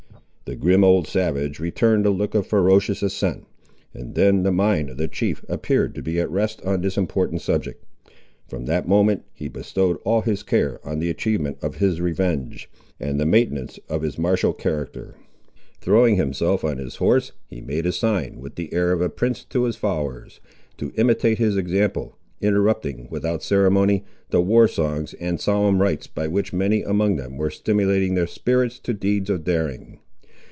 The grim old savage returned a look of ferocious assent, and then the mind of the chief appeared to be at rest on this important subject. From that moment he bestowed all his care on the achievement of his revenge, and the maintenance of his martial character. Throwing himself on his horse, he made a sign, with the air of a prince to his followers, to imitate his example, interrupting, without ceremony, the war songs and solemn rites by which many among them were stimulating their spirits to deeds of daring.